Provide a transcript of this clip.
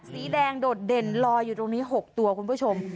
สีแดงโดดเด่นลอยอยู่ตรงนี้๖ตัวคุณผู้ชม